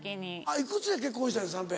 いくつで結婚したんや三平。